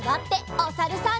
おさるさん。